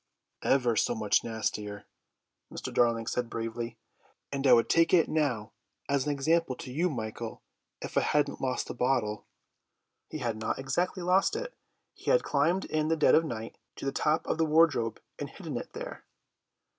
"Ever so much nastier," Mr. Darling said bravely, "and I would take it now as an example to you, Michael, if I hadn't lost the bottle." He had not exactly lost it; he had climbed in the dead of night to the top of the wardrobe and hidden it there.